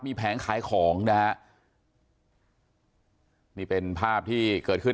มีแผงขายของนะฮะนี่เป็นภาพที่เกิดขึ้น